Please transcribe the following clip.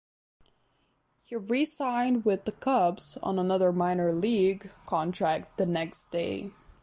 He re-signed with the Cubs on another minor league contract the next day.